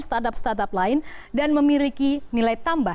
startup startup lain dan memiliki nilai tambah